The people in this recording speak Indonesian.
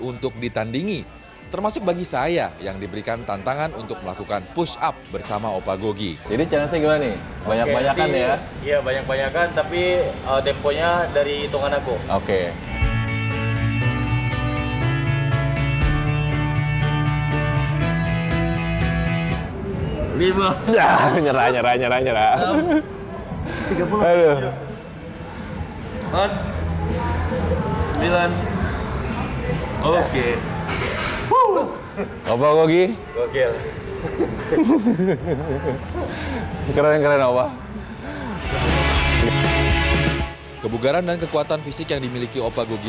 untuk ditandingi termasuk bagi saya yang diberikan tantangan untuk melakukan push up bersama opa gogi